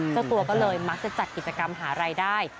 เจ้าตัวก็เลยยิ้มมักจากกิจกรรมหารายได้